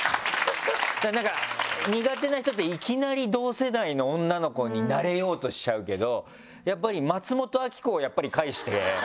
だからなんか苦手な人っていきなり同世代の女の子に慣れようとしちゃうけどやっぱり松本明子を介して。